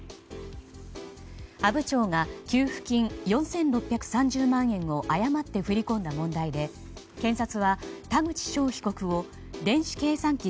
阿武町が給付金４６３０万円を誤って振り込んだ問題で検察は田口翔被告を電子計算機